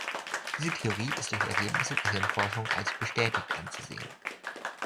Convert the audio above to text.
Diese Theorie ist durch Ergebnisse der Hirnforschung als bestätigt anzusehen.